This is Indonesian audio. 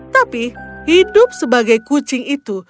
tapi hidup sebagai kucing itu